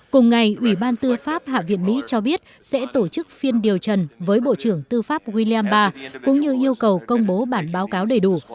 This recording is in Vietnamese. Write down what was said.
cùng ngày ủy ban tư pháp hạ viện mỹ cho biết sẽ tổ chức phiên điều trần với bộ trưởng tư pháp william bar cũng như yêu cầu công bố bản báo cáo đầy đủ